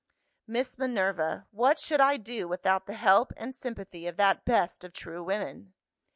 "Miss Minerva what should I do without the help and sympathy of that best of true women?